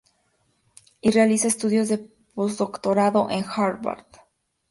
Y realiza estudios de posdoctorado en Harvard.